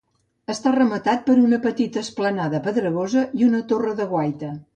Està rematat per una petita esplanada pedregosa i una torre de guaita.